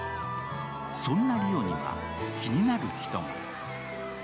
そんな梨央には気になる人が。